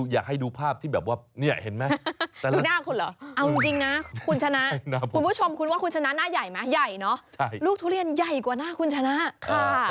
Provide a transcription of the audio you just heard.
ใช่ไม่ได้มีกร้นนะแต่ว่าพอถือทุเรียนอ่ะขกร้ามขึ้นเลย